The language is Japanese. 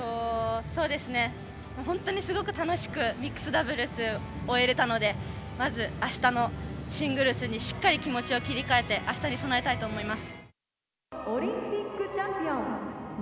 本当にすごく楽しくミックスダブルス終えられたので明日のシングルスにしっかり気持ちを切り替えて明日に備えたいと思います。